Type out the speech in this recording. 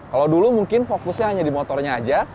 kalau dulu mungkin fokusnya hanya di motornya aja